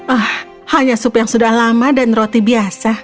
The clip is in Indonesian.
ah hanya sup yang sudah lama dan roti biasa